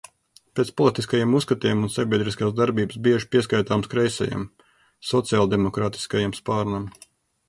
Pēc politiskajiem uzskatiem un sabiedriskās darbības bieži pieskaitāms kreisajam, sociāldemokrātiskajam spārnam.